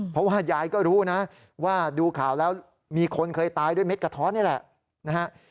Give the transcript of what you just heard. เพราะว่ายายก็รู้นะว่าดูข่าวแล้วมีคนเคยตายด้วยเม็ดกระท้อนนี่แหละนะฮะ